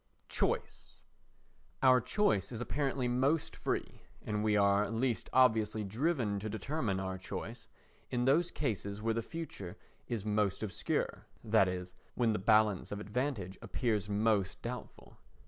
Choice Our choice is apparently most free, and we are least obviously driven to determine our course, in those cases where the future is most obscure, that is, when the balance of advantage appears most doubtful.